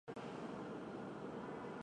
日本蚁蛛为跳蛛科蚁蛛属的动物。